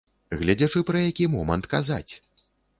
Гледзячы, пра які момант казаць.